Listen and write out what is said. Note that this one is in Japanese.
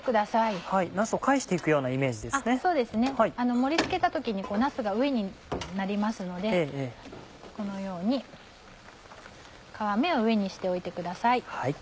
盛り付けた時になすが上になりますのでこのように皮目を上にしておいてください。